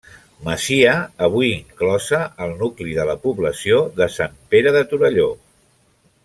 Masia, avui inclosa al nucli de la població de Sant Pere de Torelló.